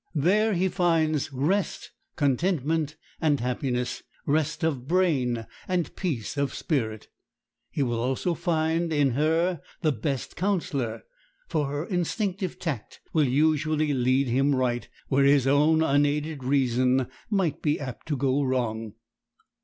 There he finds rest, contentment, and happiness—rest of brain and peace of spirit. He will also often find in her his best counselor; for her instinctive tact will usually lead him right, where his own unaided reason might be apt to go wrong.